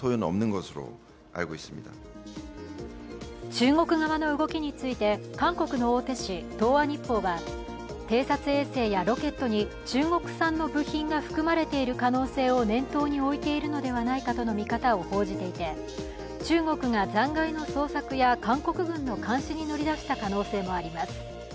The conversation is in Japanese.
中国側の動きについて、韓国の大手紙「東亜日報」は偵察衛星やロケットに中国産の部品が含まれている可能性を念頭に置いているのではないかとの見方を報じていて中国が残骸の捜索や韓国軍の監視に乗り出した可能性もあります。